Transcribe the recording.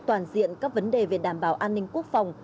toàn diện các vấn đề về đảm bảo an ninh quốc phòng